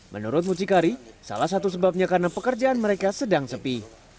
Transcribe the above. menurut mucikari salah satu sebabnya karena pekerjaan mereka sedang sepi